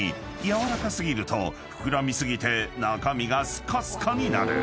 ［柔らか過ぎると膨らみ過ぎて中身がスカスカになる］